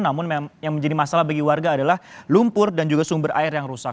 namun yang menjadi masalah bagi warga adalah lumpur dan juga sumber air yang rusak